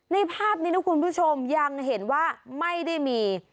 ในภาพนี้นะคุณผู้ชมยังเห็นว่าไม่ได้มี